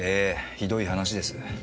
ひどい話です。